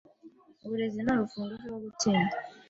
Uburezi ni urufunguzo rwo gutsinda.